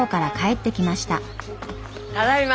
ただいま！